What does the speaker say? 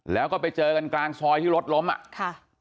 แล้วก็ไปเจอกันกลางซอยที่รถล้มอ่ะค่ะ